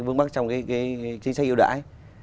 vướng mắt trong cái chính sách hiệu đại